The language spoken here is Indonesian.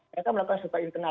mereka melakukan survei internal